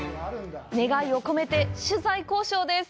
願いを込めて、取材交渉です！